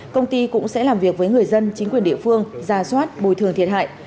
công ty cũng sẽ làm việc với người dân chính quyền địa phương ra soát bồi thường thiệt hại